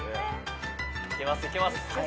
いけますいけます。